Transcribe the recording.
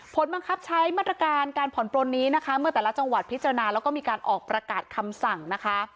ผลบังคับใช้มาตรการการผ่อนปลนนี้นะคะเมื่อแต่ละจังหวัดพิจารณาแล้วก็มีการออกประกาศคำสั่งนะคะ